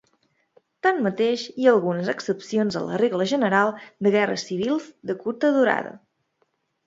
Tanmateix, hi ha algunes excepcions a la regla general de guerres civils de curta durada.